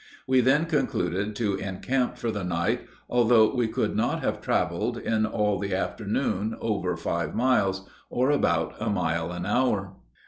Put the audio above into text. We then concluded to encamp for the night, although we could not have traveled in all the afternoon over five miles, or about a mile an hour.